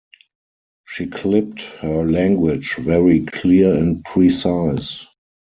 She clipped her language very clear and precise.